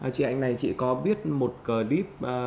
chị anh này chị có biết một clip